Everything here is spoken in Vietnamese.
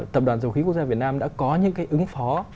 tập đoàn dầu khí quốc gia việt nam đã có những cái ứng phó